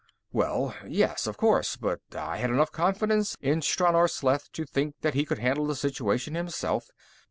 "Well, yes, of course, but I had enough confidence in Stranor Sleth to think that he could handle the situation himself.